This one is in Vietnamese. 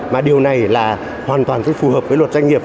mà điều này là hoàn toàn sẽ phù hợp với luật doanh nghiệp